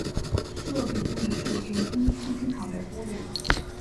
作品间的设定冲突经常被忽略。